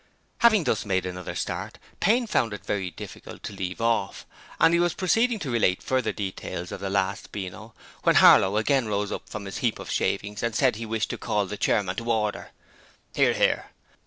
Having thus made another start, Payne found it very difficult to leave off, and was proceeding to relate further details of the last Beano when Harlow again rose up from his heap of shavings and said he wished to call the chairman to order. (Hear, hear.)